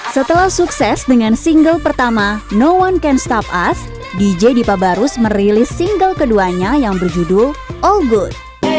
setelah sukses dengan single pertama no one cance top us dj dipa barus merilis single keduanya yang berjudul all good